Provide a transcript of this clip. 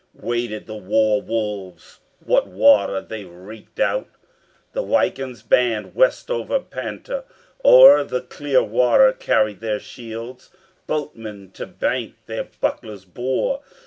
Waded the war wolves, for water they recked not, The wikings' band west over Panta, O'er the clear water carried their shields, Boatmen to bank their bucklers bore.